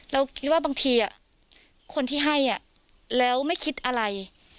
เราคิดว่าบางทีคนที่ให้แล้วไม่คิดอะไร